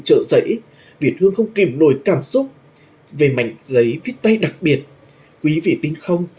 trợ giấy việt hương không kiểm nổi cảm xúc về mảnh giấy viết tay đặc biệt quý vị tin không